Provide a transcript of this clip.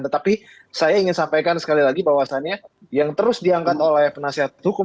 tetapi saya ingin sampaikan sekali lagi bahwasannya yang terus diangkat oleh penasihat hukum